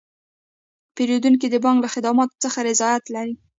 پیرودونکي د بانک له خدماتو څخه رضایت لري.